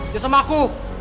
dia sama aku